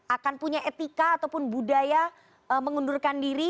akan punya etika ataupun budaya mengundurkan diri